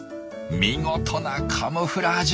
見事なカムフラージュ！